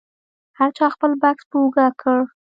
هر چا خپل بکس په اوږه کړ.